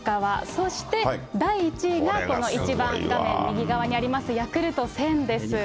そして第１位がこの一番画面右側にあります、ヤクルト１０００です。